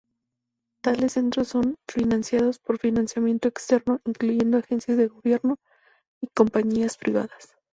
Tales centros son financiados por financiamiento externo, incluyendo agencias de gobierno y compañías privadas.